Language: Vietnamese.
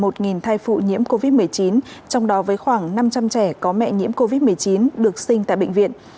trong một thai phụ nhiễm covid một mươi chín trong đó với khoảng năm trăm linh trẻ có mẹ nhiễm covid một mươi chín được sinh tại bệnh viện